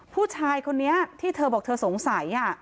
ผู้ชายคนนี้ที่เธอบอกเธอสงสัย